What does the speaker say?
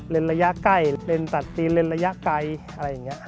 เลนย์ระยะใกล้เลนย์ตัดซีนเลนย์ระยะไกล